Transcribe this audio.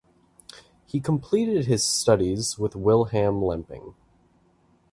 He completed his studies with Wilhelm Lamping.